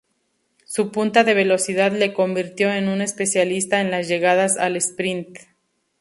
Su punta de velocidad le convirtió en un especialista en las llegadas al sprint.